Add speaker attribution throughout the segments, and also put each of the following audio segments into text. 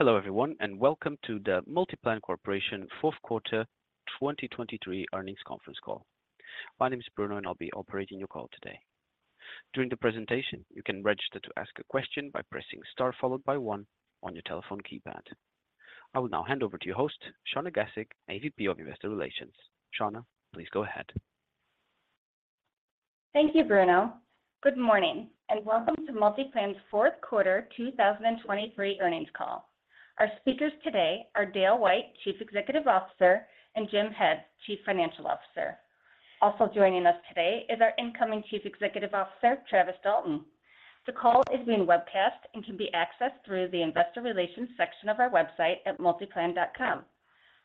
Speaker 1: Hello everyone, and welcome to the MultiPlan Corporation Q4 2023 earnings conference call. My name is Bruno, and I'll be operating your call today. During the presentation, you can register to ask a question by pressing star, followed by one on your telephone keypad. I will now hand over to your host, Shawna Gasik, AVP of Investor Relations. Shawna, please go ahead.
Speaker 2: Thank you, Bruno. Good morning, and welcome to MultiPlan's Q4 2023 earnings call. Our speakers today are Dale White, Chief Executive Officer, and Jim Head, Chief Financial Officer. Also joining us today is our incoming Chief Executive Officer, Travis Dalton. The call is being webcast and can be accessed through the Investor Relations section of our website at multiplan.com.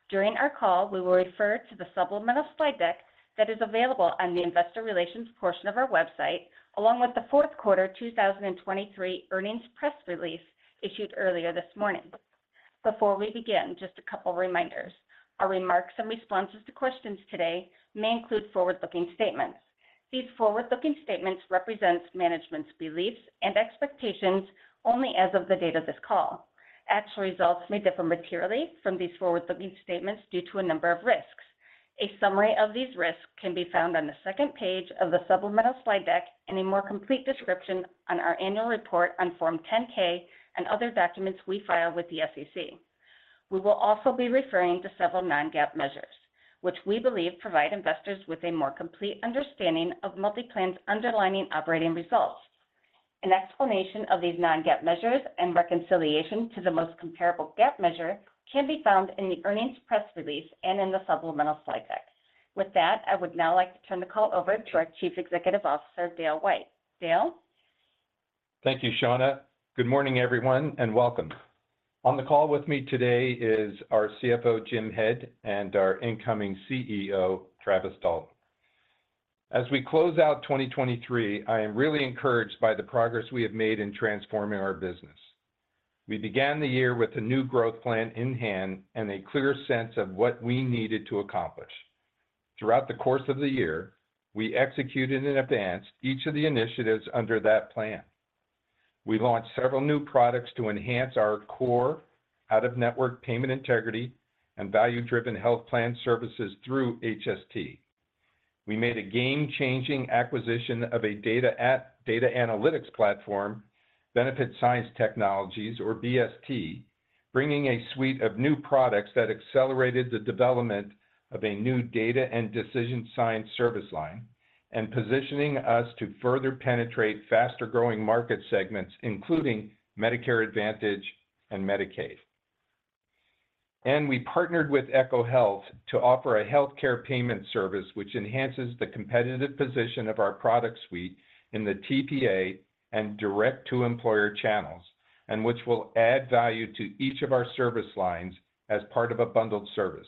Speaker 2: During our call, we will refer to the supplemental slide deck that is available on the Investor Relations portion of our website, along with the Q4 2023 earnings press release issued earlier this morning. Before we begin, just a couple reminders. Our remarks and responses to questions today may include forward-looking statements. These forward-looking statements represent management's beliefs and expectations only as of the date of this call. Actual results may differ materially from these forward-looking statements due to a number of risks. A summary of these risks can be found on the second page of the supplemental slide deck, and a more complete description on our annual report on Form 10-K and other documents we file with the SEC. We will also be referring to several non-GAAP measures, which we believe provide investors with a more complete understanding of MultiPlan's underlying operating results. An explanation of these non-GAAP measures and reconciliation to the most comparable GAAP measure can be found in the earnings press release and in the supplemental slide deck. With that, I would now like to turn the call over to our Chief Executive Officer, Dale White. Dale?
Speaker 3: Thank you, Shawna. Good morning, everyone, and welcome. On the call with me today is our CFO, Jim Head, and our incoming CEO, Travis Dalton. As we close out 2023, I am really encouraged by the progress we have made in transforming our business. We began the year with a new growth plan in hand and a clear sense of what we needed to accomplish. Throughout the course of the year, we executed and advanced each of the initiatives under that plan. We launched several new products to enhance our core out-of-network payment integrity and value-driven health plan services through HST. We made a game-changing acquisition of a data analytics platform, Benefits Science Technologies, or BST, bringing a suite of new products that accelerated the development of a new data and decision science service line, and positioning us to further penetrate faster-growing market segments, including Medicare Advantage and Medicaid. We partnered with ECHO Health to offer a healthcare payment service, which enhances the competitive position of our product suite in the TPA and direct-to-employer channels, and which will add value to each of our service lines as part of a bundled service.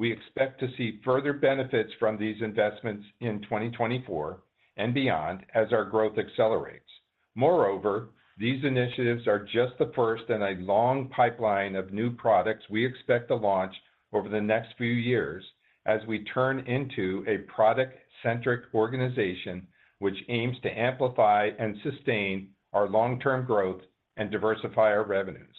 Speaker 3: We expect to see further benefits from these investments in 2024 and beyond as our growth accelerates. Moreover, these initiatives are just the first in a long pipeline of new products we expect to launch over the next few years as we turn into a product-centric organization, which aims to amplify and sustain our long-term growth and diversify our revenues.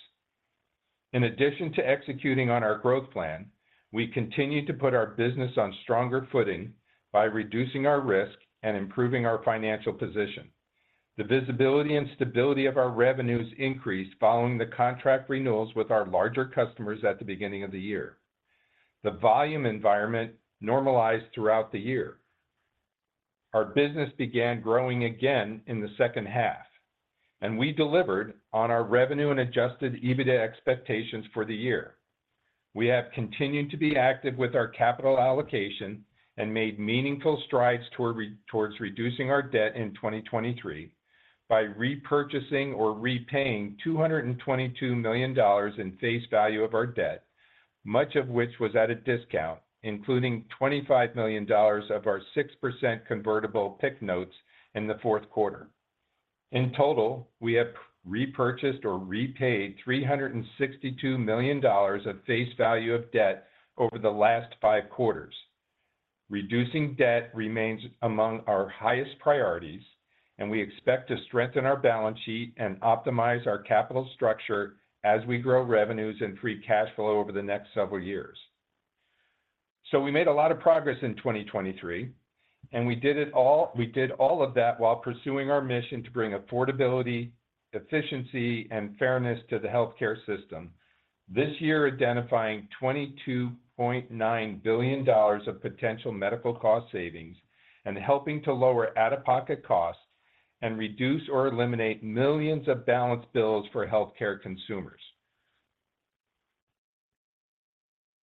Speaker 3: In addition to executing on our growth plan, we continue to put our business on stronger footing by reducing our risk and improving our financial position. The visibility and stability of our revenues increased following the contract renewals with our larger customers at the beginning of the year. The volume environment normalized throughout the year. Our business began growing again in the second half, and we delivered on our revenue and Adjusted EBITDA expectations for the year. We have continued to be active with our capital allocation and made meaningful strides towards reducing our debt in 2023 by repurchasing or repaying $222 million in face value of our debt, much of which was at a discount, including $25 million of our 6% convertible PIK notes in the Q4. In total, we have repurchased or repaid $362 million of face value of debt over the last 5 quarters. Reducing debt remains among our highest priorities, and we expect to strengthen our balance sheet and optimize our capital structure as we grow revenues and free cash flow over the next several years. So we made a lot of progress in 2023, and we did it all, we did all of that while pursuing our mission to bring affordability, efficiency, and fairness to the healthcare system, this year identifying $22.9 billion of potential medical cost savings and helping to lower out-of-pocket costs and reduce or eliminate millions of balance bills for healthcare consumers.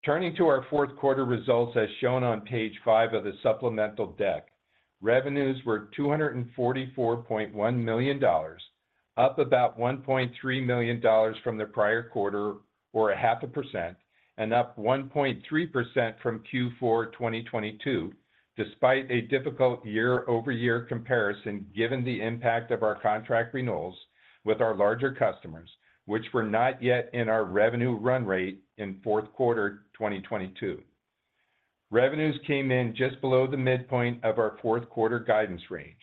Speaker 3: Turning to our Q4 results, as shown on page 5 of the supplemental deck, revenues were $244.1 million, up about $1.3 million from the prior quarter, or 0.5%, and up 1.3% from Q4 2022, despite a difficult year-over-year comparison, given the impact of our contract renewals with our larger customers, which were not yet in our revenue run rate in Q4 2022. Revenues came in just below the midpoint of our Q4 guidance range.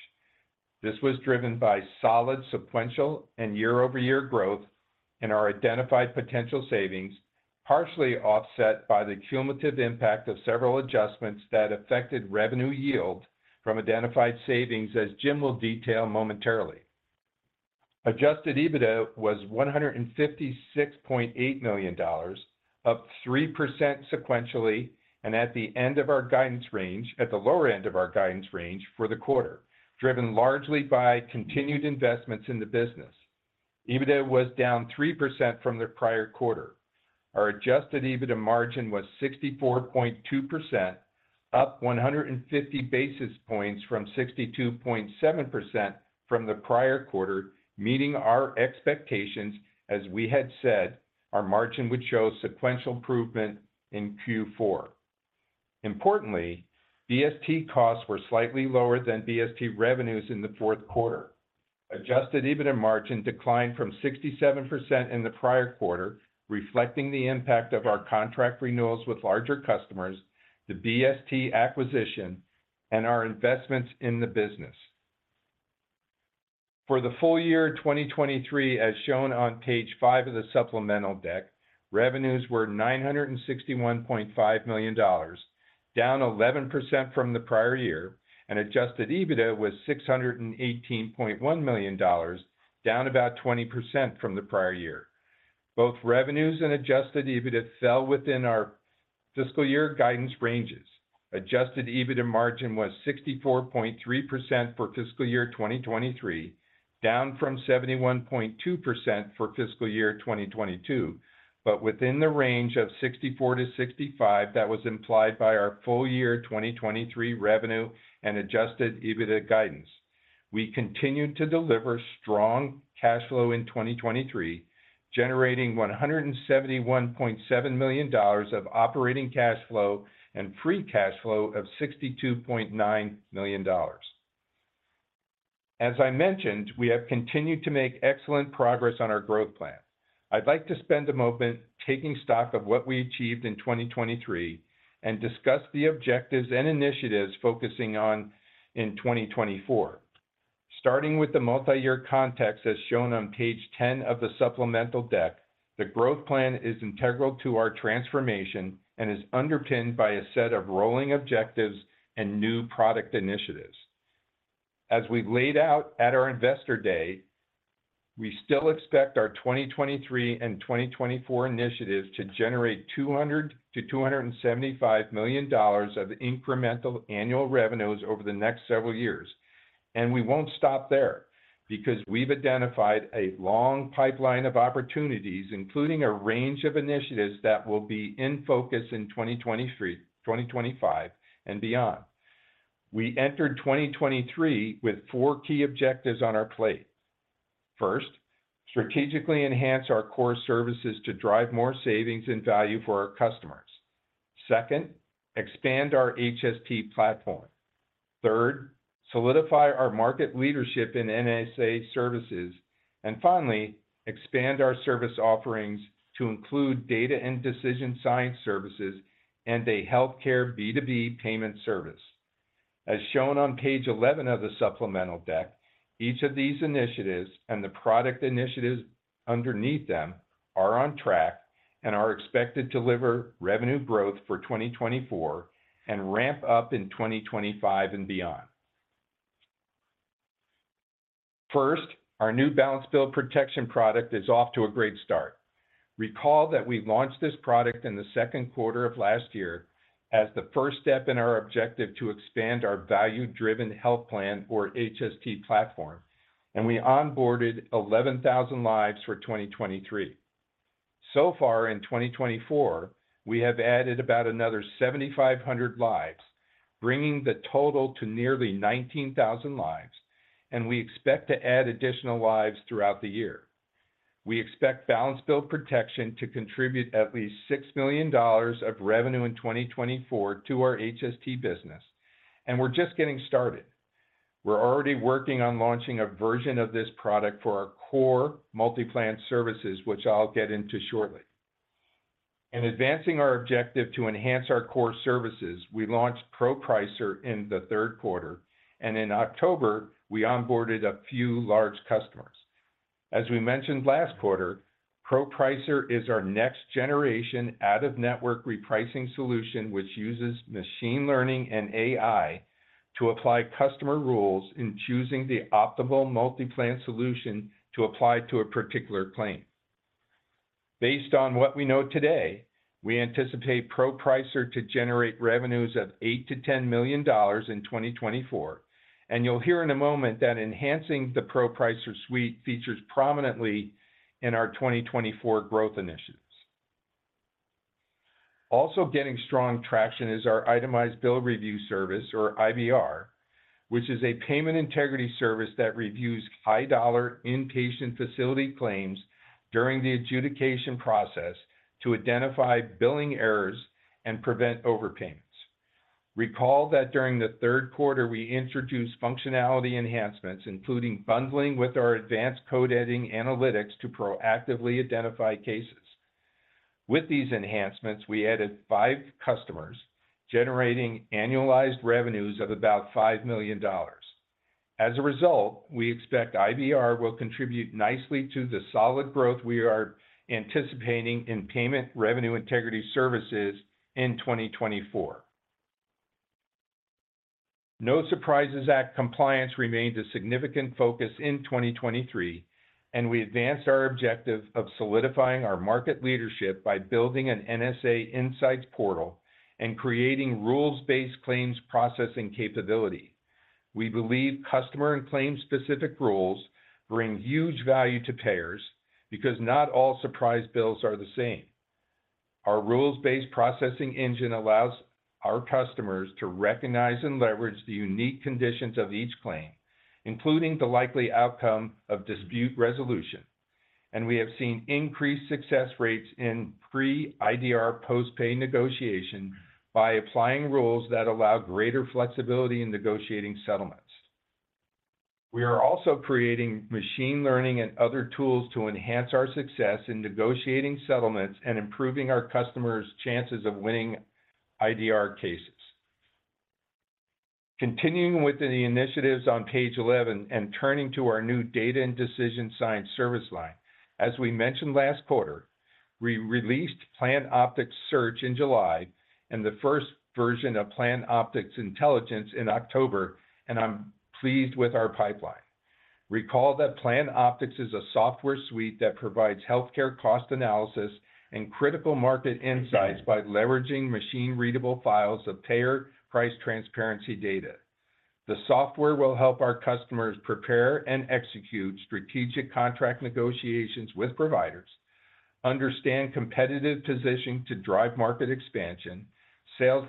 Speaker 3: This was driven by solid sequential and year-over-year growth in our identified potential savings, partially offset by the cumulative impact of several adjustments that affected revenue yield from identified savings, as Jim will detail momentarily. Adjusted EBITDA was $156.8 million, up 3% sequentially, and at the end of our guidance range, at the lower end of our guidance range for the quarter, driven largely by continued investments in the business. EBITDA was down 3% from the prior quarter. Our adjusted EBITDA margin was 64.2%, up 150 basis points from 62.7% from the prior quarter, meeting our expectations, as we had said, our margin would show sequential improvement in Q4. Importantly, BST costs were slightly lower than BST revenues in the Q4. Adjusted EBITDA margin declined from 67% in the prior quarter, reflecting the impact of our contract renewals with larger customers, the BST acquisition, and our investments in the business. For the full year 2023, as shown on page 5 of the supplemental deck, revenues were $961.5 million, down 11% from the prior year, and adjusted EBITDA was $618.1 million, down about 20% from the prior year. Both revenues and adjusted EBITDA fell within our fiscal year guidance ranges. Adjusted EBITDA margin was 64.3% for fiscal year 2023, down from 71.2% for fiscal year 2022, but within the range of 64%-65%, that was implied by our full year 2023 revenue and adjusted EBITDA guidance. We continued to deliver strong cash flow in 2023, generating $171.7 million of operating cash flow and free cash flow of $62.9 million. As I mentioned, we have continued to make excellent progress on our growth plan. I'd like to spend a moment taking stock of what we achieved in 2023 and discuss the objectives and initiatives focusing on in 2024. Starting with the multiyear context, as shown on page 10 of the supplemental deck, the growth plan is integral to our transformation and is underpinned by a set of rolling objectives and new product initiatives. As we've laid out at our Investor Day, we still expect our 2023 and 2024 initiatives to generate $200 million-$275 million of incremental annual revenues over the next several years. And we won't stop there, because we've identified a long pipeline of opportunities, including a range of initiatives that will be in focus in 2023, 2025, and beyond. We entered 2023 with four key objectives on our plate. First, strategically enhance our core services to drive more savings and value for our customers. Second, expand our HST platform. Third, solidify our market leadership in NSA services, and finally, expand our service offerings to include data and decision science services and a healthcare B2B payment service. As shown on page 11 of the supplemental deck, each of these initiatives and the product initiatives underneath them are on track and are expected to deliver revenue growth for 2024 and ramp up in 2025 and beyond. First, our new balance bill protection product is off to a great start. Recall that we launched this product in the Q2 of last year as the first step in our objective to expand our value-driven health plan or HST platform, and we onboarded 11,000 lives for 2023. So far in 2024, we have added about another 7,500 lives, bringing the total to nearly 19,000 lives, and we expect to add additional lives throughout the year. We expect Balance Bill Protection to contribute at least $6 million of revenue in 2024 to our HST business, and we're just getting started. We're already working on launching a version of this product for our core MultiPlan services, which I'll get into shortly. In advancing our objective to enhance our core services, we launched ProPricer in the Q3, and in October, we onboarded a few large customers. As we mentioned last quarter, ProPricer is our next-generation out-of-network repricing solution, which uses machine learning and AI to apply customer rules in choosing the optimal MultiPlan solution to apply to a particular claim. Based on what we know today, we anticipate ProPricer to generate revenues of $8 million-$10 million in 2024, and you'll hear in a moment that enhancing the ProPricer suite features prominently in our 2024 growth initiatives. Also getting strong traction is our Itemized Bill Review service, or IBR, which is a payment integrity service that reviews high-dollar inpatient facility claims during the adjudication process to identify billing errors and prevent overpayments. Recall that during the Q3, we introduced functionality enhancements, including bundling with our advanced code editing analytics to proactively identify cases. With these enhancements, we added five customers, generating annualized revenues of about $5 million. As a result, we expect IBR will contribute nicely to the solid growth we are anticipating in payment revenue integrity services in 2024. No Surprises Act compliance remains a significant focus in 2023, and we advanced our objective of solidifying our market leadership by building an NSA insights portal and creating rules-based claims processing capability. We believe customer and claim-specific rules bring huge value to payers because not all surprise bills are the same. Our rules-based processing engine allows our customers to recognize and leverage the unique conditions of each claim, including the likely outcome of dispute resolution. We have seen increased success rates in pre-IDR post-pay negotiation by applying rules that allow greater flexibility in negotiating settlements. We are also creating machine learning and other tools to enhance our success in negotiating settlements and improving our customers' chances of winning IDR cases. Continuing with the initiatives on page 11 and turning to our new data and decision science service line, as we mentioned last quarter, we released Plan Optics Search in July and the first version of Plan Optics Intelligence in October, and I'm pleased with our pipeline. Recall that Plan Optics is a software suite that provides healthcare cost analysis and critical market insights by leveraging machine-readable files of payer price transparency data. The software will help our customers prepare and execute strategic contract negotiations with providers, understand competitive positioning to drive market expansion, sales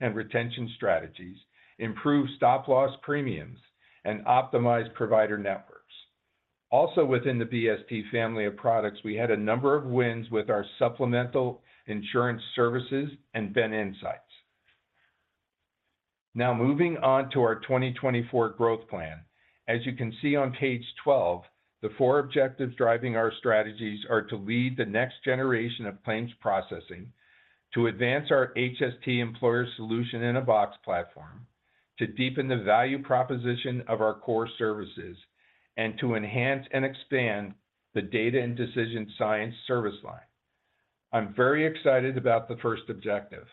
Speaker 3: and retention strategies, improve stop-loss premiums, and optimize provider networks. Also within the BST family of products, we had a number of wins with our supplemental insurance services and Ben Insights. Now moving on to our 2024 growth plan. As you can see on page 12, the four objectives driving our strategies are to lead the next generation of claims processing, to advance our HST employer solution in a box platform, to deepen the value proposition of our core services, and to enhance and expand the data and decision science service line. I'm very excited about the first objective.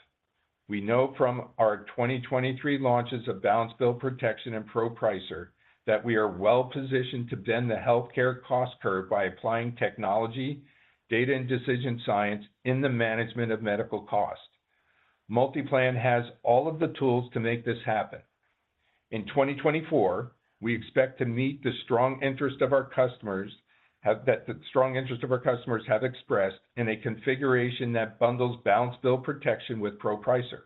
Speaker 3: We know from our 2023 launches of Balance Bill Protection and ProPricer that we are well positioned to bend the healthcare cost curve by applying technology, data, and decision science in the management of medical costs. MultiPlan has all of the tools to make this happen. In 2024, we expect to meet the strong interest that our customers have expressed in a configuration that bundles Balance Bill Protection with ProPricer.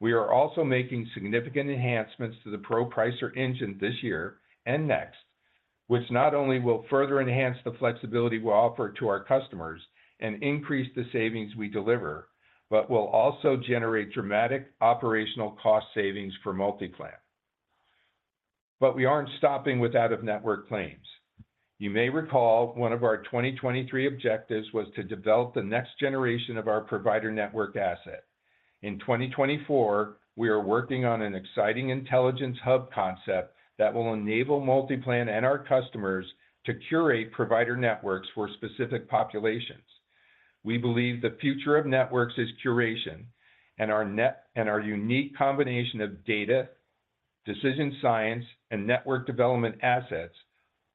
Speaker 3: We are also making significant enhancements to the ProPricer engine this year and next, which not only will further enhance the flexibility we offer to our customers and increase the savings we deliver, but will also generate dramatic operational cost savings for MultiPlan. But we aren't stopping with out-of-network claims. You may recall, one of our 2023 objectives was to develop the next generation of our provider network asset. In 2024, we are working on an exciting intelligence hub concept that will enable MultiPlan and our customers to curate provider networks for specific populations. We believe the future of networks is curation, and our unique combination of data, decision science, and network development assets,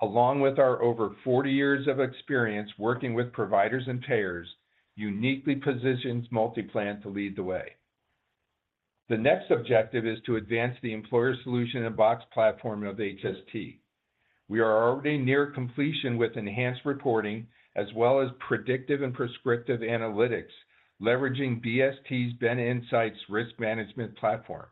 Speaker 3: along with our over 40 years of experience working with providers and payers, uniquely positions MultiPlan to lead the way. The next objective is to advance the employer solution and box platform of HST. We are already near completion with enhanced reporting, as well as predictive and prescriptive analytics, leveraging BST's Ben Insights risk management platform.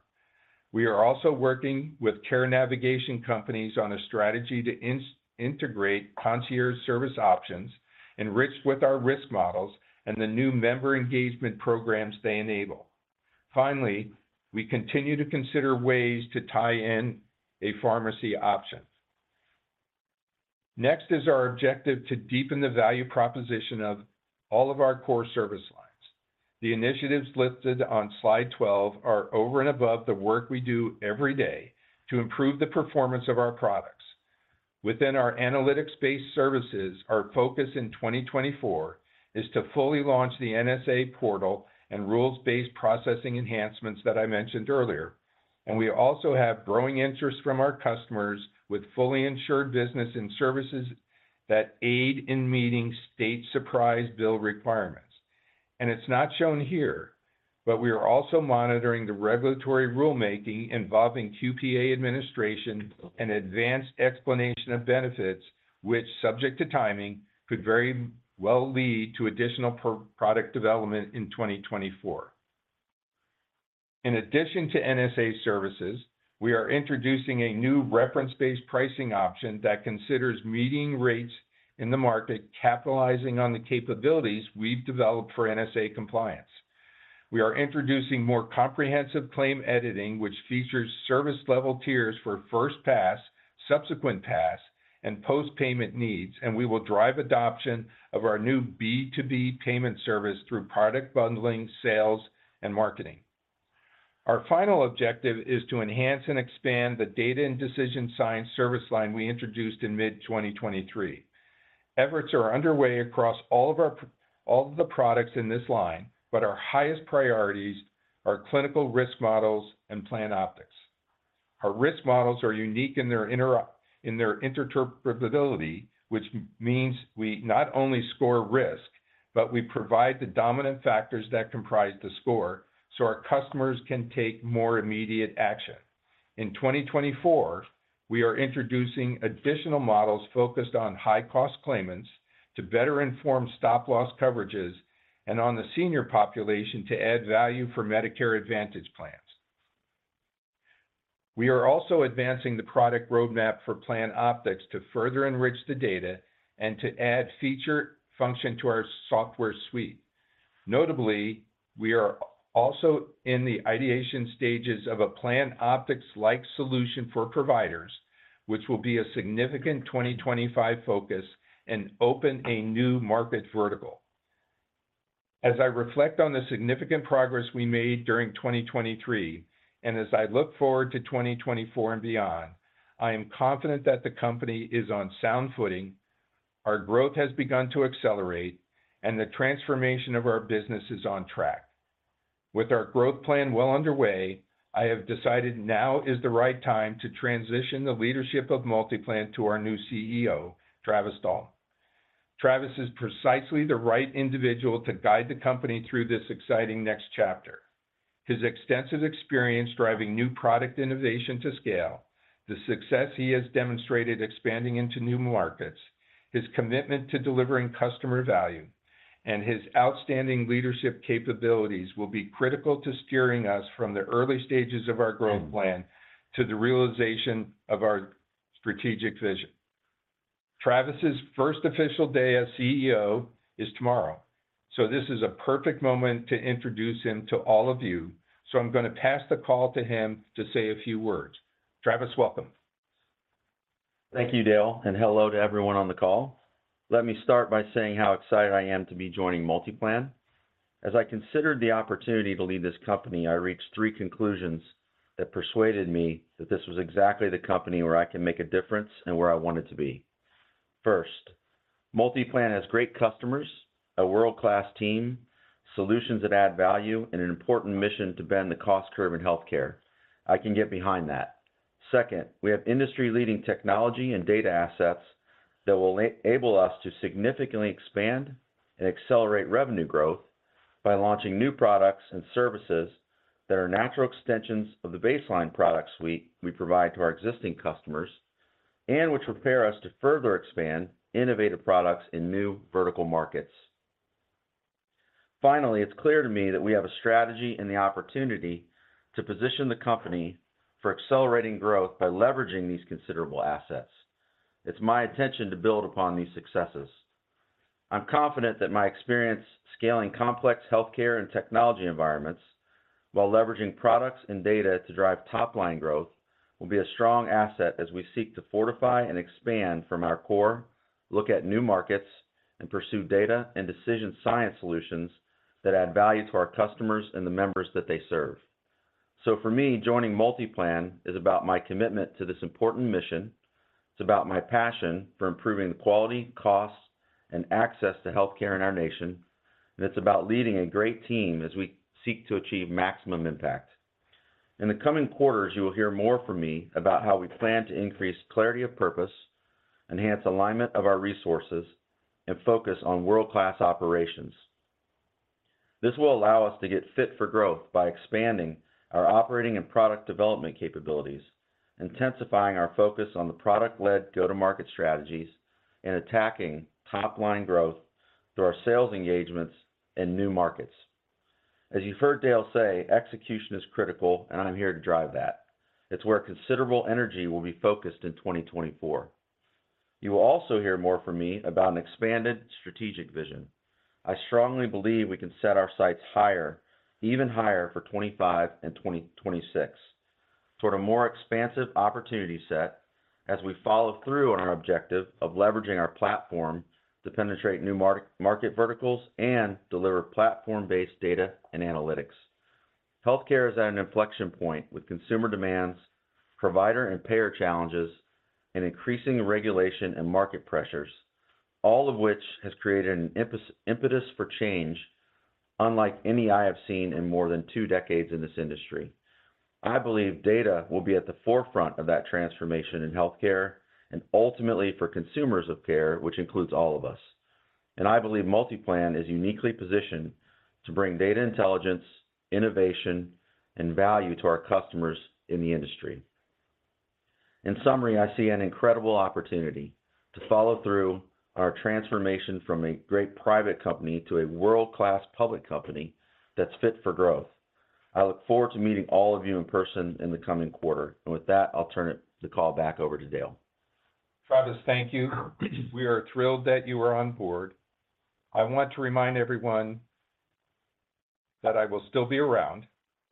Speaker 3: We are also working with care navigation companies on a strategy to integrate concierge service options enriched with our risk models and the new member engagement programs they enable. Finally, we continue to consider ways to tie in a pharmacy option. Next is our objective to deepen the value proposition of all of our core service lines. The initiatives listed on slide 12 are over and above the work we do every day to improve the performance of our products. Within our analytics-based services, our focus in 2024 is to fully launch the NSA portal and rules-based processing enhancements that I mentioned earlier. We also have growing interest from our customers with fully insured business and services that aid in meeting state surprise bill requirements. It's not shown here, but we are also monitoring the regulatory rulemaking involving QPA administration and advanced explanation of benefits, which, subject to timing, could very well lead to additional product development in 2024. In addition to NSA services, we are introducing a new reference-based pricing option that considers meeting rates-... In the market, capitalizing on the capabilities we've developed for NSA compliance. We are introducing more comprehensive claim editing, which features service level tiers for first pass, subsequent pass, and post-payment needs, and we will drive adoption of our new B2B payment service through product bundling, sales, and marketing. Our final objective is to enhance and expand the data and decision science service line we introduced in mid-2023. Efforts are underway across all of the products in this line, but our highest priorities are clinical risk models and Plan Optics. Our risk models are unique in their interpretability, which means we not only score risk, but we provide the dominant factors that comprise the score, so our customers can take more immediate action. In 2024, we are introducing additional models focused on high-cost claimants to better inform stop-loss coverages and on the senior population to add value for Medicare Advantage plans. We are also advancing the product roadmap for Plan Optics to further enrich the data and to add feature function to our software suite. Notably, we are also in the ideation stages of a Plan Optics-like solution for providers, which will be a significant 2025 focus and open a new market vertical. As I reflect on the significant progress we made during 2023, and as I look forward to 2024 and beyond, I am confident that the company is on sound footing, our growth has begun to accelerate, and the transformation of our business is on track. With our growth plan well underway, I have decided now is the right time to transition the leadership of MultiPlan to our new CEO, Travis Dalton. Travis is precisely the right individual to guide the company through this exciting next chapter. His extensive experience driving new product innovation to scale, the success he has demonstrated expanding into new markets, his commitment to delivering customer value, and his outstanding leadership capabilities will be critical to steering us from the early stages of our growth plan to the realization of our strategic vision. Travis's first official day as CEO is tomorrow, so this is a perfect moment to introduce him to all of you. So I'm going to pass the call to him to say a few words. Travis, welcome.
Speaker 4: Thank you, Dale, and hello to everyone on the call. Let me start by saying how excited I am to be joining MultiPlan. As I considered the opportunity to lead this company, I reached three conclusions that persuaded me that this was exactly the company where I can make a difference and where I wanted to be. First, MultiPlan has great customers, a world-class team, solutions that add value, and an important mission to bend the cost curve in healthcare. I can get behind that. Second, we have industry-leading technology and data assets that will enable us to significantly expand and accelerate revenue growth by launching new products and services that are natural extensions of the baseline product suite we provide to our existing customers, and which prepare us to further expand innovative products in new vertical markets. Finally, it's clear to me that we have a strategy and the opportunity to position the company for accelerating growth by leveraging these considerable assets. It's my intention to build upon these successes. I'm confident that my experience scaling complex healthcare and technology environments while leveraging products and data to drive top-line growth, will be a strong asset as we seek to fortify and expand from our core, look at new markets, and pursue data and decision science solutions that add value to our customers and the members that they serve. For me, joining MultiPlan is about my commitment to this important mission. It's about my passion for improving the quality, cost, and access to healthcare in our nation, and it's about leading a great team as we seek to achieve maximum impact. In the coming quarters, you will hear more from me about how we plan to increase clarity of purpose, enhance alignment of our resources, and focus on world-class operations. This will allow us to get fit for growth by expanding our operating and product development capabilities, intensifying our focus on the product-led go-to-market strategies, and attacking top-line growth through our sales engagements in new markets. As you've heard Dale say, execution is critical, and I'm here to drive that. It's where considerable energy will be focused in 2024. You will also hear more from me about an expanded strategic vision. I strongly believe we can set our sights higher, even higher for 2025 and 2026, toward a more expansive opportunity set as we follow through on our objective of leveraging our platform to penetrate new market verticals and deliver platform-based data and analytics. Healthcare is at an inflection point with consumer demands, provider and payer challenges, and increasing regulation and market pressures, all of which has created an impetus for change, unlike any I have seen in more than two decades in this industry. I believe data will be at the forefront of that transformation in healthcare and ultimately for consumers of care, which includes all of us. And I believe MultiPlan is uniquely positioned to bring data intelligence, innovation, and value to our customers in the industry. In summary, I see an incredible opportunity to follow through our transformation from a great private company to a world-class public company that's fit for growth.... I look forward to meeting all of you in person in the coming quarter. And with that, I'll turn the call back over to Dale.
Speaker 3: Travis, thank you. We are thrilled that you are on board. I want to remind everyone that I will still be around.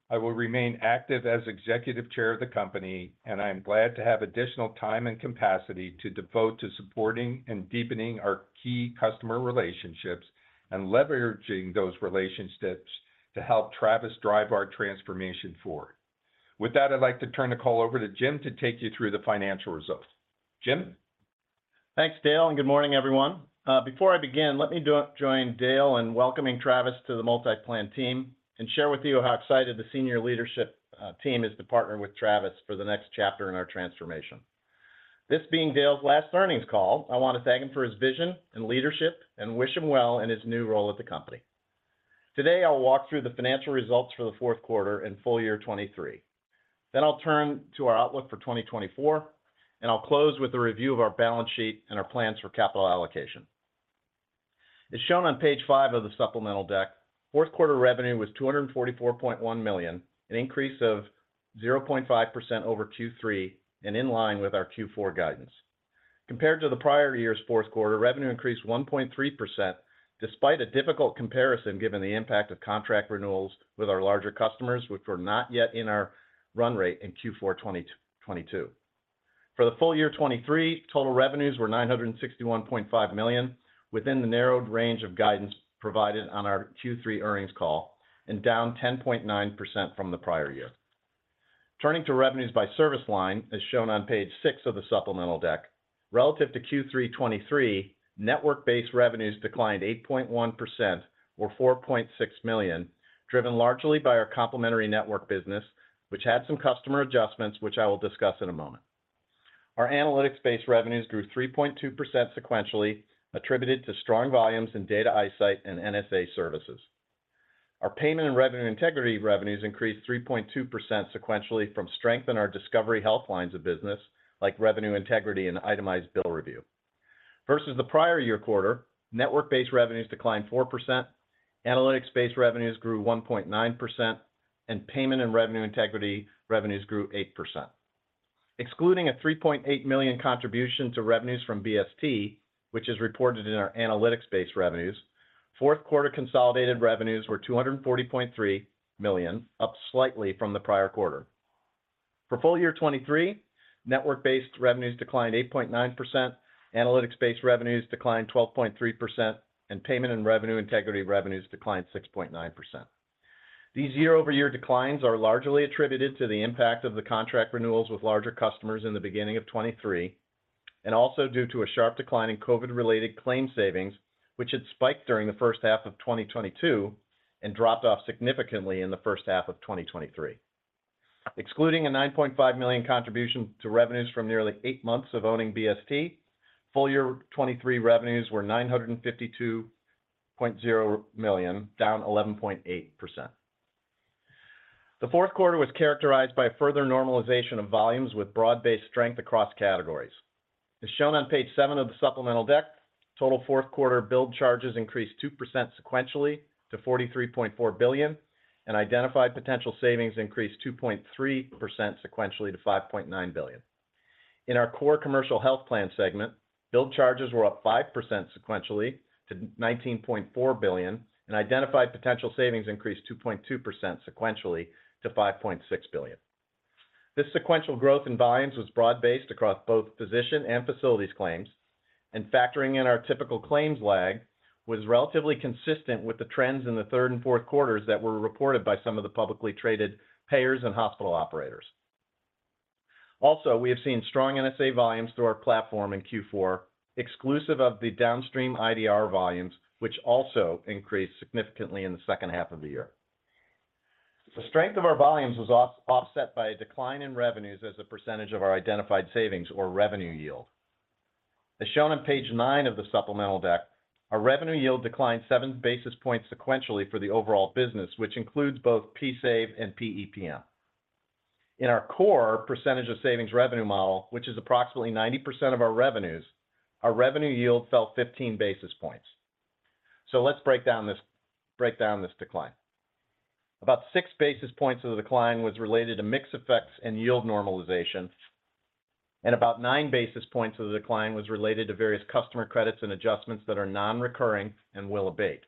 Speaker 3: I will remain active as Executive Chair of the company, and I'm glad to have additional time and capacity to devote to supporting and deepening our key customer relationships, and leveraging those relationships to help Travis drive our transformation forward. With that, I'd like to turn the call over to Jim to take you through the financial results. Jim?
Speaker 5: Thanks, Dale, and good morning, everyone. Before I begin, let me join Dale in welcoming Travis to the MultiPlan team, and share with you how excited the senior leadership team is to partner with Travis for the next chapter in our transformation. This being Dale's last earnings call, I want to thank him for his vision and leadership, and wish him well in his new role at the company. Today, I'll walk through the financial results for the Q4 and full year 2023. Then I'll turn to our outlook for 2024, and I'll close with a review of our balance sheet and our plans for capital allocation. As shown on page five of the supplemental deck, Q4 revenue was $244.1 million, an increase of 0.5% over Q3, and in line with our Q4 guidance. Compared to the prior year's Q4, revenue increased 1.3%, despite a difficult comparison, given the impact of contract renewals with our larger customers, which were not yet in our run rate in Q4 2022. For the full year 2023, total revenues were $961.5 million, within the narrowed range of guidance provided on our Q3 earnings call, and down 10.9% from the prior year. Turning to revenues by service line, as shown on page 6 of the supplemental deck, relative to Q3 2023, network-based revenues declined 8.1%, or $4.6 million, driven largely by our complementary network business, which had some customer adjustments, which I will discuss in a moment. Our analytics-based revenues grew 3.2% sequentially, attributed to strong volumes in data insight and NSA services. Our payment and revenue integrity revenues increased 3.2% sequentially from strength in our Discovery Health lines of business, like revenue integrity and itemized bill review. Versus the prior year quarter, network-based revenues declined 4%, analytics-based revenues grew 1.9%, and payment and revenue integrity revenues grew 8%. Excluding a $3.8 million contribution to revenues from BST, which is reported in our analytics-based revenues, Q4 consolidated revenues were $240.3 million, up slightly from the prior quarter. For full year 2023, network-based revenues declined 8.9%, analytics-based revenues declined 12.3%, and payment and revenue integrity revenues declined 6.9%. These year-over-year declines are largely attributed to the impact of the contract renewals with larger customers in the beginning of 2023, and also due to a sharp decline in COVID-related claim savings, which had spiked during the first half of 2022, and dropped off significantly in the first half of 2023. Excluding a $9.5 million contribution to revenues from nearly eight months of owning BST, full year 2023 revenues were $952.0 million, down 11.8%. The Q4 was characterized by further normalization of volumes with broad-based strength across categories. As shown on page seven of the supplemental deck, total Q4 billed charges increased 2% sequentially to $43.4 billion, and identified potential savings increased 2.3% sequentially to $5.9 billion. In our core commercial health plan segment, billed charges were up 5% sequentially to $19.4 billion, and identified potential savings increased 2.2% sequentially to $5.6 billion. This sequential growth in volumes was broad-based across both physician and facilities claims, and factoring in our typical claims lag, was relatively consistent with the trends in the third and Q4s that were reported by some of the publicly traded payers and hospital operators. Also, we have seen strong NSA volumes through our platform in Q4, exclusive of the downstream IDR volumes, which also increased significantly in the second half of the year. The strength of our volumes was offset by a decline in revenues as a percentage of our identified savings or revenue yield. As shown on page 9 of the supplemental deck, our revenue yield declined 7 basis points sequentially for the overall business, which includes both PSAVE and PEPM. In our core percentage of savings revenue model, which is approximately 90% of our revenues, our revenue yield fell 15 basis points. So let's break down this, break down this decline. About 6 basis points of the decline was related to mix effects and yield normalization, and about 9 basis points of the decline was related to various customer credits and adjustments that are non-recurring and will abate.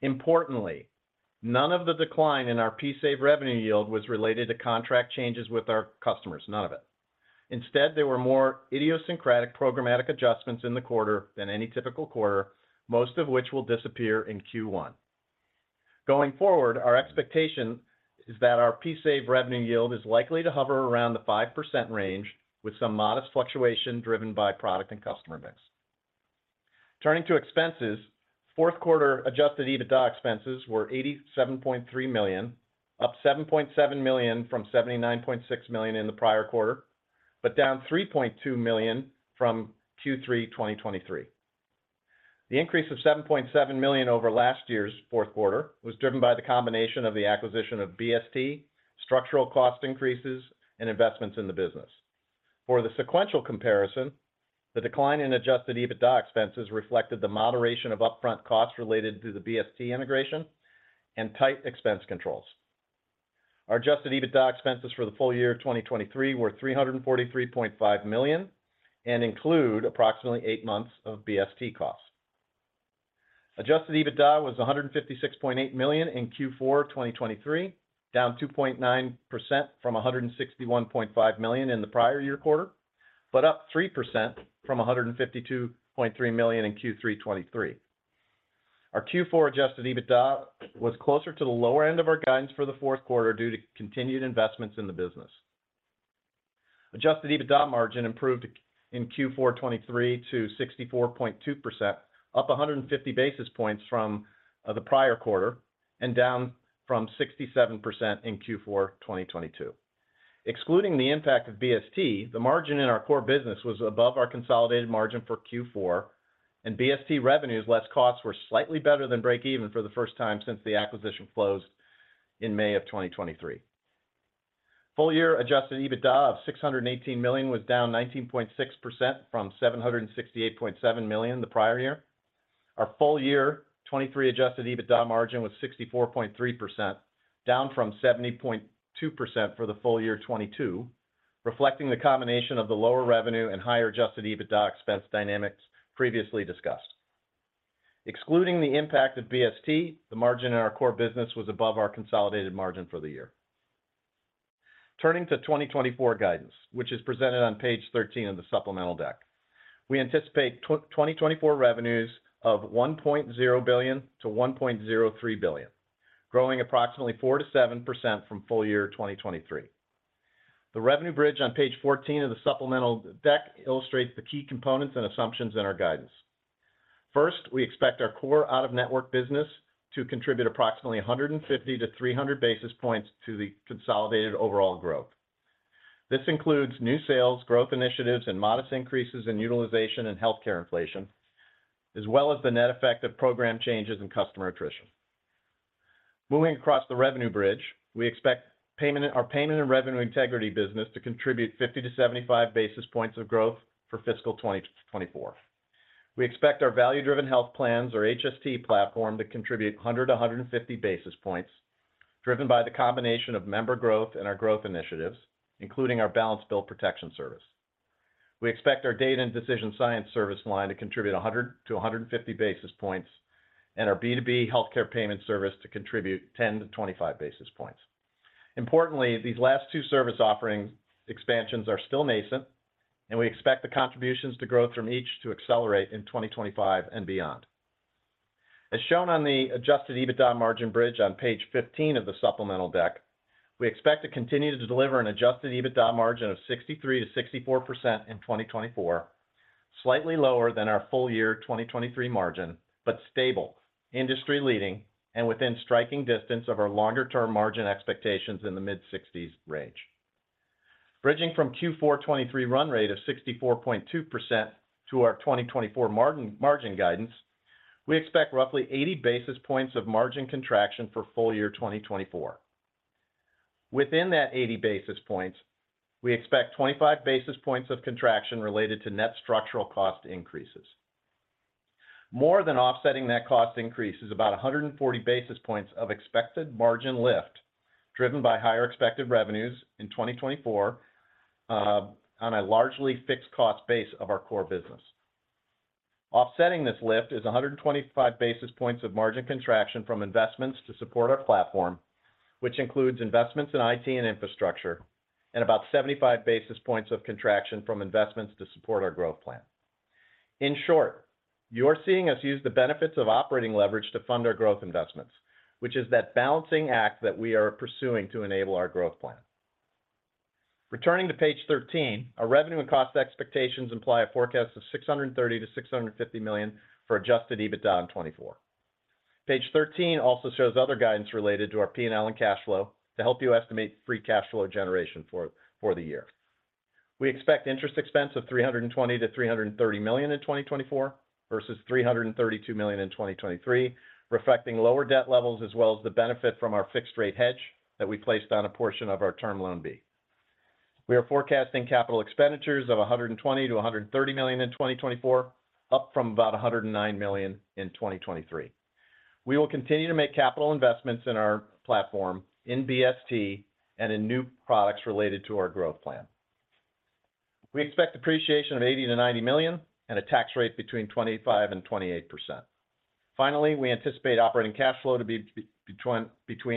Speaker 5: Importantly, none of the decline in our PSAVE revenue yield was related to contract changes with our customers, none of it. Instead, there were more idiosyncratic programmatic adjustments in the quarter than any typical quarter, most of which will disappear in Q1. Going forward, our expectation is that our PSAVE revenue yield is likely to hover around the 5% range, with some modest fluctuation driven by product and customer mix. Turning to expenses, Q4 adjusted EBITDA expenses were $87.3 million, up $7.7 million from $79.6 million in the prior quarter, but down $3.2 million from Q3 2023. The increase of $7.7 million over last year's Q4 was driven by the combination of the acquisition of BST, structural cost increases, and investments in the business.... For the sequential comparison, the decline in adjusted EBITDA expenses reflected the moderation of upfront costs related to the BST integration and tight expense controls. Our adjusted EBITDA expenses for the full year 2023 were $343.5 million, and include approximately 8 months of BST costs. Adjusted EBITDA was $156.8 million in Q4 2023, down 2.9% from $161.5 million in the prior year quarter, but up 3% from $152.3 million in Q3 2023. Our Q4 adjusted EBITDA was closer to the lower end of our guidance for the Q4 due to continued investments in the business. Adjusted EBITDA margin improved in Q4 2023 to 64.2%, up 150 basis points from the prior quarter, and down from 67% in Q4 2022. Excluding the impact of BST, the margin in our core business was above our consolidated margin for Q4, and BST revenues less costs were slightly better than break even for the first time since the acquisition closed in May 2023. Full year adjusted EBITDA of $618 million was down 19.6% from $768.7 million the prior year. Our full year 2023 adjusted EBITDA margin was 64.3%, down from 70.2% for the full year 2022, reflecting the combination of the lower revenue and higher adjusted EBITDA expense dynamics previously discussed. Excluding the impact of BST, the margin in our core business was above our consolidated margin for the year. Turning to 2024 guidance, which is presented on page 13 of the supplemental deck. We anticipate twenty 2024 revenues of $1.0 billion-$1.03 billion, growing approximately 4%-7% from full year 2023. The revenue bridge on page 14 of the supplemental deck illustrates the key components and assumptions in our guidance. First, we expect our core out-of-network business to contribute approximately 150-300 basis points to the consolidated overall growth. This includes new sales, growth initiatives, and modest increases in utilization and healthcare inflation, as well as the net effect of program changes and customer attrition. Moving across the revenue bridge, we expect our payment and revenue integrity business to contribute 50-75 basis points of growth for fiscal 2024. We expect our value-driven health plans or HST platform to contribute 100-150 basis points, driven by the combination of member growth and our growth initiatives, including our Balance Bill Protection service. We expect our data and decision science service line to contribute 100-150 basis points, and our B2B healthcare payment service to contribute 10-25 basis points. Importantly, these last two service offering expansions are still nascent, and we expect the contributions to growth from each to accelerate in 2025 and beyond. As shown on the Adjusted EBITDA margin bridge on page 15 of the supplemental deck, we expect to continue to deliver an Adjusted EBITDA margin of 63%-64% in 2024, slightly lower than our full year 2023 margin, but stable, industry leading, and within striking distance of our longer term margin expectations in the mid-sixties range. Bridging from Q4 2023 run rate of 64.2% to our 2024 margin, margin guidance, we expect roughly 80 basis points of margin contraction for full year 2024. Within that 80 basis points, we expect 25 basis points of contraction related to net structural cost increases. More than offsetting net cost increase is about 140 basis points of expected margin lift, driven by higher expected revenues in 2024, on a largely fixed cost base of our core business. Offsetting this lift is 125 basis points of margin contraction from investments to support our platform, which includes investments in IT and infrastructure, and about 75 basis points of contraction from investments to support our growth plan. In short, you're seeing us use the benefits of operating leverage to fund our growth investments, which is that balancing act that we are pursuing to enable our growth plan. Returning to page 13, our revenue and cost expectations imply a forecast of $630 million-$650 million for Adjusted EBITDA in 2024. Page thirteen also shows other guidance related to our P&L and cash flow to help you estimate free cash flow generation for the year. We expect interest expense of $320 million-$330 million in 2024, versus $332 million in 2023, reflecting lower debt levels, as well as the benefit from our fixed rate hedge that we placed on a portion of our Term Loan B. We are forecasting capital expenditures of $120 million-$130 million in 2024, up from about $109 million in 2023. We will continue to make capital investments in our platform, in BST, and in new products related to our growth plan. We expect depreciation of $80 million-$90 million and a tax rate between 25% and 28%. Finally, we anticipate operating cash flow to be between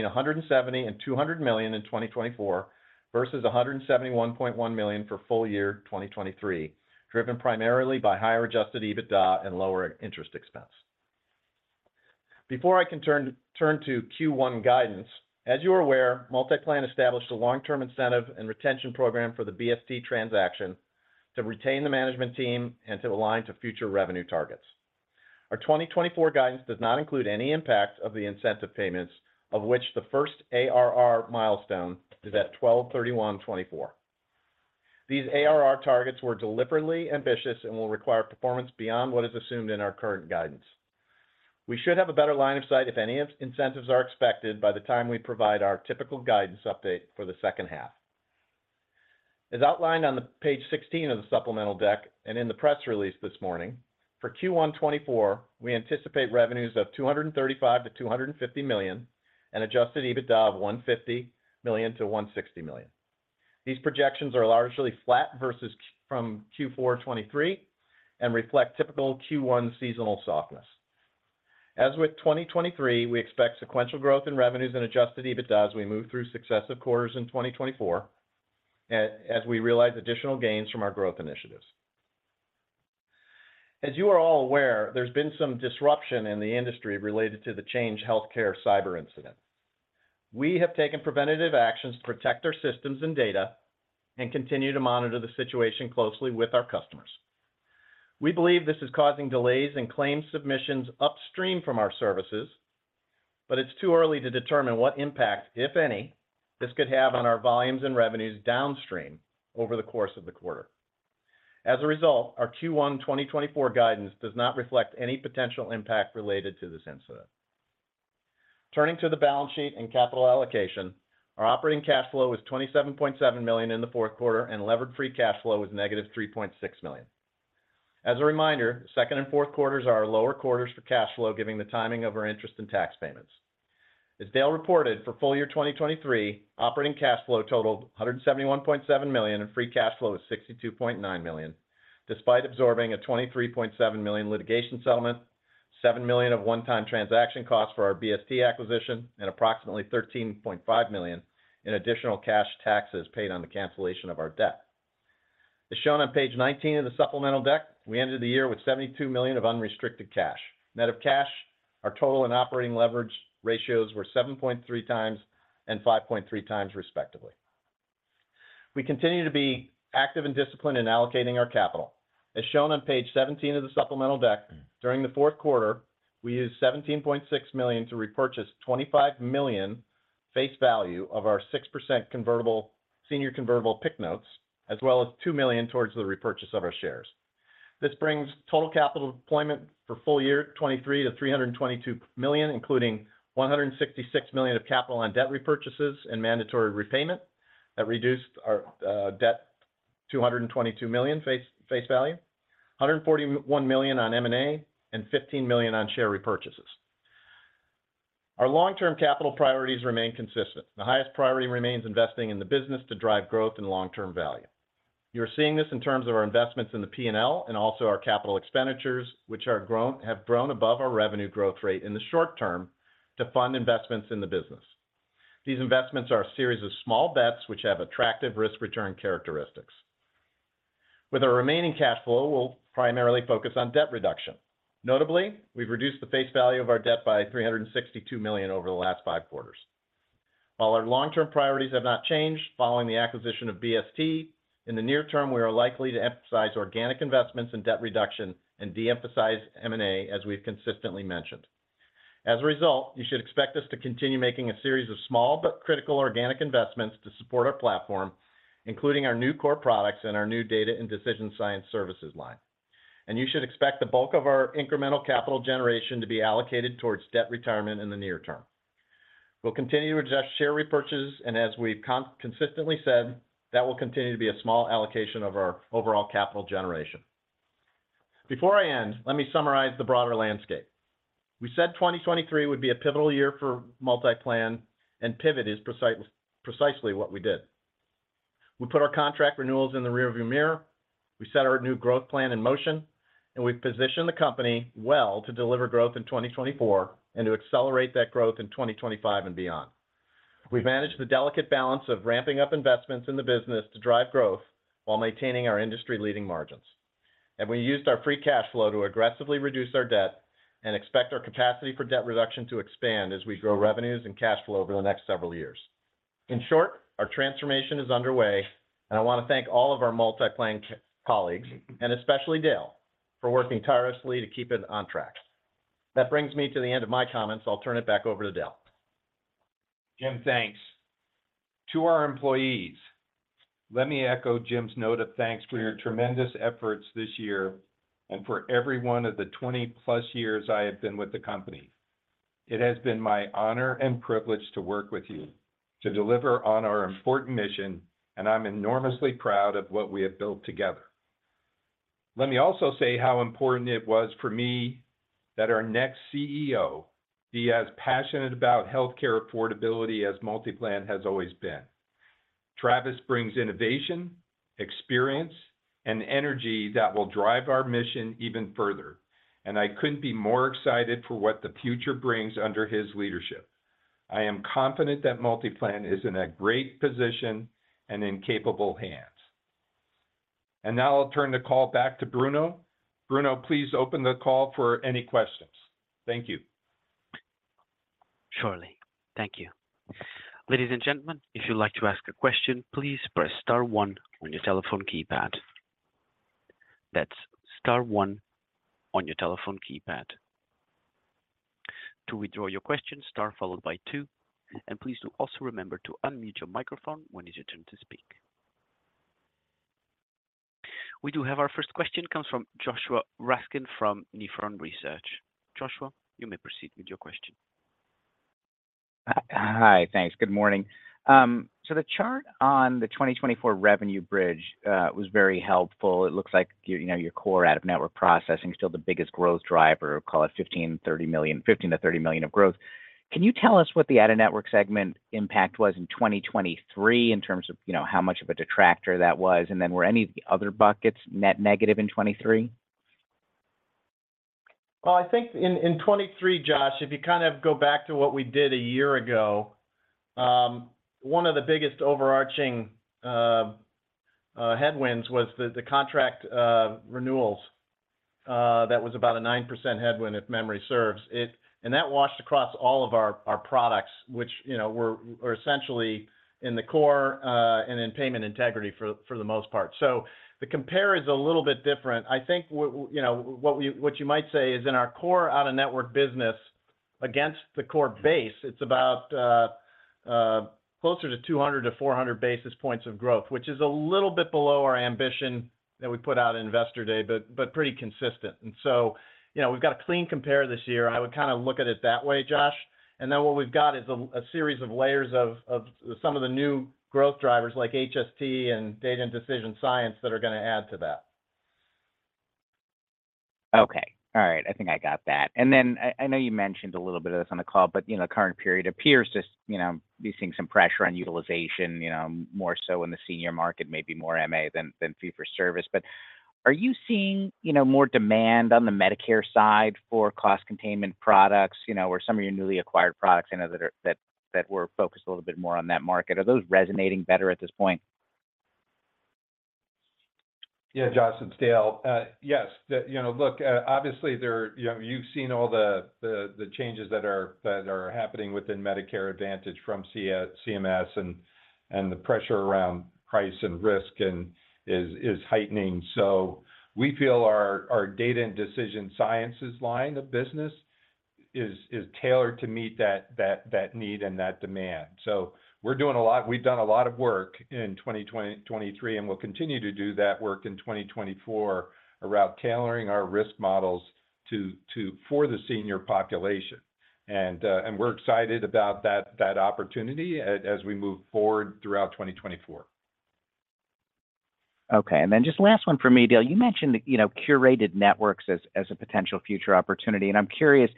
Speaker 5: $170 million and $200 million in 2024, versus $171.1 million for full year 2023, driven primarily by higher adjusted EBITDA and lower interest expense. Before I turn to Q1 guidance, as you are aware, MultiPlan established a long-term incentive and retention program for the BST transaction to retain the management team and to align to future revenue targets. Our 2024 guidance does not include any impact of the incentive payments, of which the first ARR milestone is at 12/31/2024. These ARR targets were deliberately ambitious and will require performance beyond what is assumed in our current guidance.... We should have a better line of sight if any incentives are expected by the time we provide our typical guidance update for the second half. As outlined on page 16 of the supplemental deck, and in the press release this morning, for Q1 2024, we anticipate revenues of $235 million-$250 million, and adjusted EBITDA of $150 million-$160 million. These projections are largely flat versus Q4 2023, and reflect typical Q1 seasonal softness. As with 2023, we expect sequential growth in revenues and adjusted EBITDA as we move through successive quarters in 2024, as we realize additional gains from our growth initiatives. As you are all aware, there's been some disruption in the industry related to the Change Healthcare cyber incident. We have taken preventative actions to protect our systems and data and continue to monitor the situation closely with our customers. We believe this is causing delays in claim submissions upstream from our services, but it's too early to determine what impact, if any, this could have on our volumes and revenues downstream over the course of the quarter. As a result, our Q1 2024 guidance does not reflect any potential impact related to this incident. Turning to the balance sheet and capital allocation, our operating cash flow was $27.7 million in the Q4, and levered free cash flow was -$3.6 million. As a reminder, second and Q4s are our lower quarters for cash flow, giving the timing of our interest and tax payments. As Dale reported, for full year 2023, operating cash flow totaled $171.7 million, and free cash flow was $62.9 million, despite absorbing a $23.7 million litigation settlement, $7 million of one-time transaction costs for our BST acquisition, and approximately $13.5 million in additional cash taxes paid on the cancellation of our debt. As shown on page 19 of the supplemental deck, we ended the year with $72 million of unrestricted cash. Net of cash, our total and operating leverage ratios were 7.3 times and 5.3 times, respectively. We continue to be active and disciplined in allocating our capital. As shown on page 17 of the supplemental deck, during the Q4, we used $17.6 million to repurchase $25 million face value of our 6% convertible senior convertible PIK notes, as well as $2 million towards the repurchase of our shares. This brings total capital deployment for full year 2023 to $322 million, including $166 million of capital on debt repurchases and mandatory repayment that reduced our debt to $222 million face value, $141 million on M&A, and $15 million on share repurchases. Our long-term capital priorities remain consistent. The highest priority remains investing in the business to drive growth and long-term value. You're seeing this in terms of our investments in the P&L and also our capital expenditures, which have grown above our revenue growth rate in the short term to fund investments in the business. These investments are a series of small bets which have attractive risk-return characteristics. With our remaining cash flow, we'll primarily focus on debt reduction. Notably, we've reduced the face value of our debt by $362 million over the last five quarters. While our long-term priorities have not changed following the acquisition of BST, in the near term, we are likely to emphasize organic investments and debt reduction and de-emphasize M&A, as we've consistently mentioned. As a result, you should expect us to continue making a series of small but critical organic investments to support our platform, including our new core products and our new data and decision science services line. You should expect the bulk of our incremental capital generation to be allocated towards debt retirement in the near term. We'll continue to adjust share repurchases, and as we've consistently said, that will continue to be a small allocation of our overall capital generation. Before I end, let me summarize the broader landscape. We said 2023 would be a pivotal year for MultiPlan, and pivot is precisely what we did. We put our contract renewals in the rearview mirror, we set our new growth plan in motion, and we've positioned the company well to deliver growth in 2024 and to accelerate that growth in 2025 and beyond. We've managed the delicate balance of ramping up investments in the business to drive growth while maintaining our industry-leading margins. And we used our free cash flow to aggressively reduce our debt and expect our capacity for debt reduction to expand as we grow revenues and cash flow over the next several years. In short, our transformation is underway, and I want to thank all of our MultiPlan colleagues, and especially Dale, for working tirelessly to keep it on track. That brings me to the end of my comments. I'll turn it back over to Dale.
Speaker 3: Jim, thanks. To our employees, let me echo Jim's note of thanks for your tremendous efforts this year and for every one of the 20+ years I have been with the company. It has been my honor and privilege to work with you to deliver on our important mission, and I'm enormously proud of what we have built together. Let me also say how important it was for me that our next CEO be as passionate about healthcare affordability as MultiPlan has always been. Travis brings innovation, experience, and energy that will drive our mission even further, and I couldn't be more excited for what the future brings under his leadership. I am confident that MultiPlan is in a great position and in capable hands. Now I'll turn the call back to Bruno. Bruno, please open the call for any questions. Thank you.
Speaker 1: Surely. Thank you. Ladies and gentlemen, if you'd like to ask a question, please press star one on your telephone keypad. That's star one on your telephone keypad. To withdraw your question, star followed by two, and please do also remember to unmute your microphone when it's your turn to speak. We do have our first question, comes from Joshua Raskin from Nephron Research. Joshua, you may proceed with your question.
Speaker 6: Hi. Thanks. Good morning. So the chart on the 2024 revenue bridge was very helpful. It looks like your, you know, your core out-of-network processing is still the biggest growth driver, call it $15 million-$30 million of growth. Can you tell us what the out-of-network segment impact was in 2023 in terms of, you know, how much of a detractor that was? And then were any of the other buckets net negative in 2023?
Speaker 5: Well, I think in 2023, Josh, if you kind of go back to what we did a year ago, one of the biggest overarching headwinds was the contract renewals that was about a 9% headwind, if memory serves. It and that washed across all of our products, which, you know, were essentially in the core and in payment integrity for the most part. So the compare is a little bit different. I think you know, what you might say is in our core out-of-network business against the core base, it's about closer to 200-400 basis points of growth, which is a little bit below our ambition that we put out in Investor Day, but pretty consistent. And so, you know, we've got a clean compare this year. I would kind of look at it that way, Josh. And then what we've got is a series of layers of some of the new growth drivers like HST and data and decision science that are gonna add to that.
Speaker 6: Okay. All right, I think I got that. And then I know you mentioned a little bit of this on the call, but, you know, current period appears to, you know, be seeing some pressure on utilization, you know, more so in the senior market, maybe more MA than fee for service. But are you seeing, you know, more demand on the Medicare side for cost containment products, you know, or some of your newly acquired products, you know, that were focused a little bit more on that market? Are those resonating better at this point?
Speaker 3: Yeah, Josh, it's Dale. Yes, you know, look, obviously, there, you know, you've seen all the changes that are happening within Medicare Advantage from CMS and the pressure around price and risk is heightening. So we feel our data and decision sciences line of business is tailored to meet that need and that demand. So we're doing a lot. We've done a lot of work in 2020, 2023, and we'll continue to do that work in 2024 around tailoring our risk models to for the senior population. And we're excited about that opportunity as we move forward throughout 2024.
Speaker 6: Okay. And then just last one for me, Dale. You mentioned, you know, curated networks as, as a potential future opportunity, and I'm curious,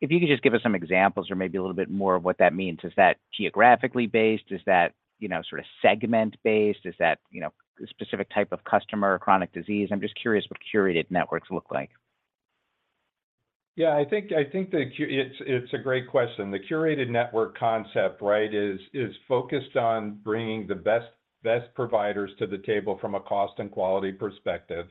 Speaker 6: if you could just give us some examples or maybe a little bit more of what that means. Is that geographically based? Is that, you know, sort of segment-based? Is that, you know, a specific type of customer or chronic disease? I'm just curious what curated networks look like.
Speaker 3: Yeah, I think it's a great question. The curated network concept, right, is focused on bringing the best providers to the table from a cost and quality perspective,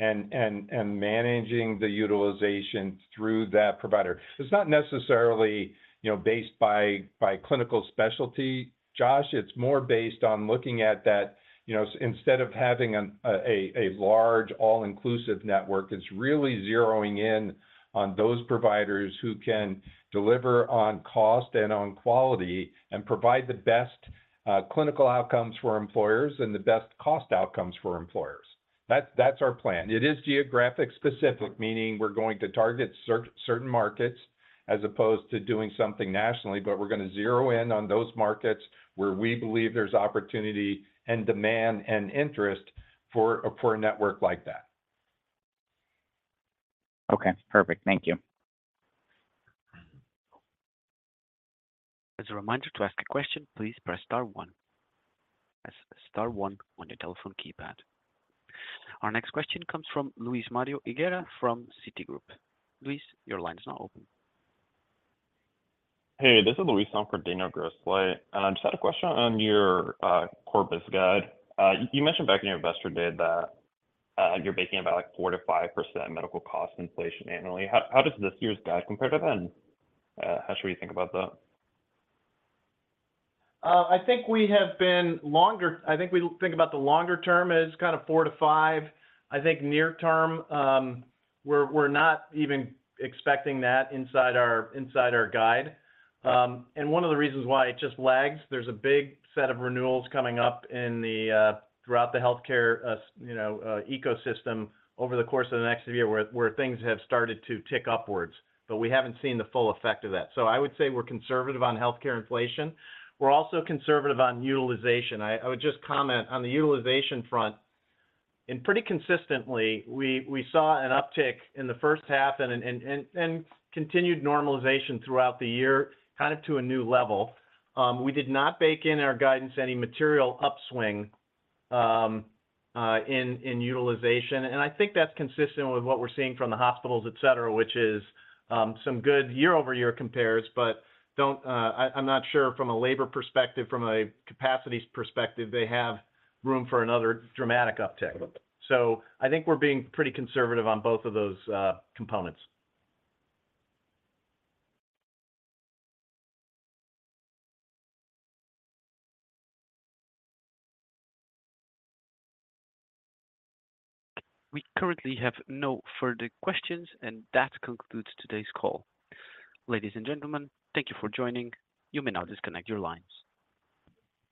Speaker 3: and managing the utilization through that provider. It's not necessarily, you know, based by clinical specialty, Josh, it's more based on looking at that, you know, instead of having a large, all-inclusive network, it's really zeroing in on those providers who can deliver on cost and on quality and provide the best clinical outcomes for employers and the best cost outcomes for employers. That's our plan. It is geographic specific, meaning we're going to target certain markets as opposed to doing something nationally, but we're gonna zero in on those markets where we believe there's opportunity and demand and interest for a pure network like that.
Speaker 6: Okay, perfect. Thank you.
Speaker 1: As a reminder, to ask a question, please press star one. Press star one on your telephone keypad. Our next question comes from Luismario Higuera from Citigroup. Luis, your line is now open.
Speaker 7: Hey, this is Luis. I'm from Daniel Grosslight. And I just had a question on your core guidance. You mentioned back in your Investor Day that you're thinking about, like, 4%-5% medical cost inflation annually. How does this year's guide compare to that, and how should we think about that?
Speaker 5: I think we think about the longer term as kind of 4-5. I think near term, we're not even expecting that inside our guide. And one of the reasons why it just lags, there's a big set of renewals coming up throughout the healthcare, you know, ecosystem over the course of the next year, where things have started to tick upwards, but we haven't seen the full effect of that. So I would say we're conservative on healthcare inflation. We're also conservative on utilization. I would just comment on the utilization front, and pretty consistently, we saw an uptick in the first half and continued normalization throughout the year, kind of to a new level. We did not bake in our guidance any material upswing in utilization, and I think that's consistent with what we're seeing from the hospitals, et cetera, which is some good year-over-year compares, but I'm not sure from a labor perspective, from a capacity perspective, they have room for another dramatic uptick. So I think we're being pretty conservative on both of those components.
Speaker 1: We currently have no further questions, and that concludes today's call. Ladies and gentlemen, thank you for joining. You may now disconnect your lines.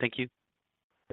Speaker 1: Thank you.